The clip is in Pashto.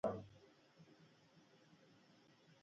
سوله د ژوند بنسټیزه اړتیا ده